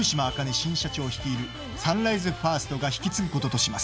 新社長率いるサンライズファーストが引き継ぐこととします。